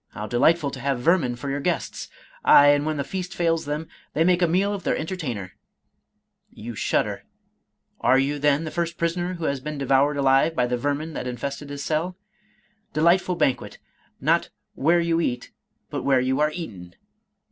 — How delightful to have vermin for your guests ! Aye, and when the feast fails them, they make a meal of their entertainer !— You shudder. — ^Are you, then, the first prisoner who has been devoured alive by the vermin that infesteM his cell? — Delightful banquet, not * where you eat, but where you are eaten